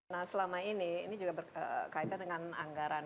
nah selama ini ini juga berkaitan dengan anggaran